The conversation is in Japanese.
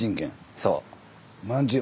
そう。